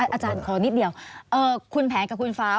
อาจารย์ขอนิดเดียวคุณแผนกับคุณฟ้า